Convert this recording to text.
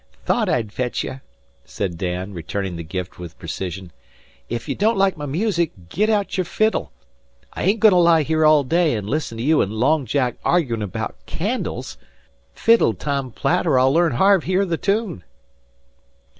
"Thought I'd fetch yer," said Dan, returning the gift with precision. "Ef you don't like my music, git out your fiddle. I ain't goin' to lie here all day an' listen to you an' Long Jack arguin' 'baout candles. Fiddle, Tom Platt; or I'll learn Harve here the tune!"